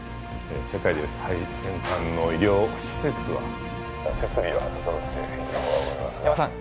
世界で最先端の医療施設は設備は整っているとは思いますが。